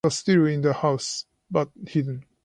It was still in the house, but hidden.